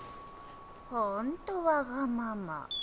ほんとわがまま。